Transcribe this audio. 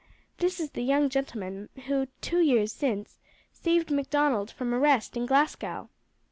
This is the young gentleman who, two years since, saved Macdonald from arrest in Glasgow."